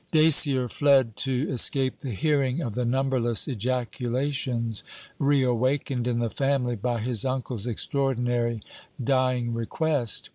Dacier fled to escape the hearing of the numberless ejaculations re awakened in the family by his uncle's extraordinary dying request.